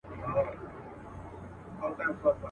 .کور ته د صنم ځو تصویرونو ته به څه وایو.